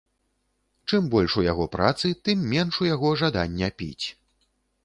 Чым больш у яго працы, тым менш у яго жадання піць.